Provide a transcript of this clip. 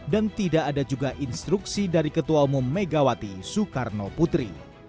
dan tidak ada juga instruksi dari ketua umum megawati soekarno putri